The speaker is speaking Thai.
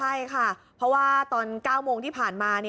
ใช่ค่ะเพราะว่าตอน๙โมงที่ผ่านมา